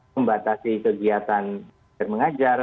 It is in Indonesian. membatasi kegiatan yang mengajar